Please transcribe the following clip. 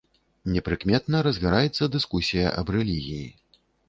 Непрыкметна разгараецца дыскусія аб рэлігіі.